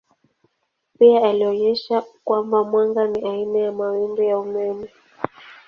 Pia alionyesha kwamba mwanga ni aina ya mawimbi ya umeme.